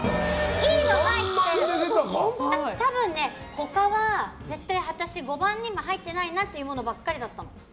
他は５番にも入ってないなっていうものばかりだったの。